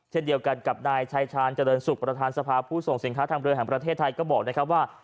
เช่นเดียวกันกับนายชายชาญเจริญสุขประธานสภาผู้ส่งสินค้าทางเรือแห่งประเทศไทยก็บอกนะครับว่า